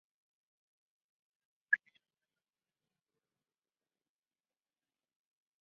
The library is also claimed to be mandated to publish the Ghana National videography.